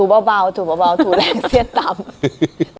เบาถูเบาถูแรงเครียดต่ำ